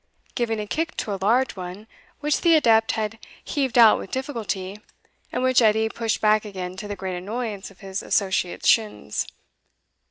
giving a kick to a large one which the adept had heaved out with difficulty, and which Edie pushed back again to the great annoyance of his associate's shins.